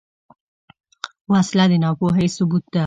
وسله د ناپوهۍ ثبوت ده